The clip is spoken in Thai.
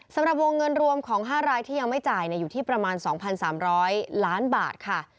สำหรับวงเงินรวมของ๕รายที่ยังไม่จ่ายอยู่ที่ประมาณ๒๓๐๐ล้านบาทค่ะ